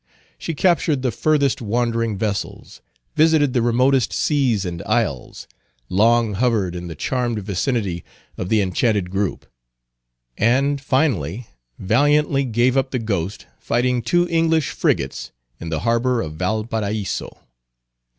She captured the furthest wandering vessels; visited the remotest seas and isles; long hovered in the charmed vicinity of the enchanted group; and, finally, valiantly gave up the ghost fighting two English frigates in the harbor of Valparaiso.